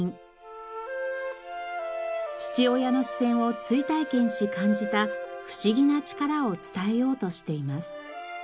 父親の視線を追体験し感じた「不思議な力」を伝えようとしています。